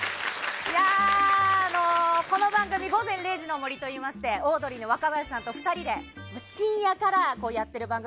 この番組「午前０時の森」といいましてオードリーの若林さんと一緒に深夜からやっている番組